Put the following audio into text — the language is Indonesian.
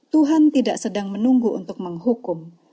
tuhan tidak sedang menunggu untuk menghukum